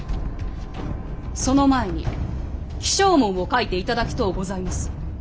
その前に起請文を書いていただきとうございます。